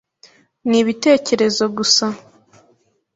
Nibitekerezo gusa.